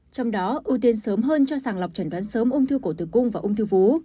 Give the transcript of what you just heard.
trong đó ưu tiên sớm hơn cho sàng lọc trần đoán sớm ung thư cổ tử cung và ung thư vú